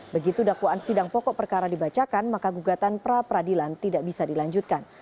begitu dakwaan sidang pokok perkara dibacakan maka gugatan pra peradilan tidak bisa dilanjutkan